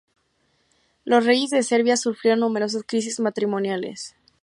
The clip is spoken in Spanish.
Los reyes de Serbia sufrieron numerosas crisis matrimoniales.